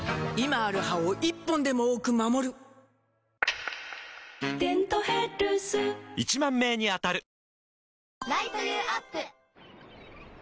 今ある歯を１本でも多く守る「デントヘルス」１０，０００名に当たる！